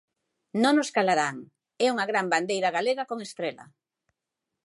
Non nos calarán e unha gran bandeira galega con estrela.